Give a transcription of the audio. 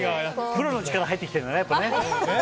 プロの力入ってきてるね。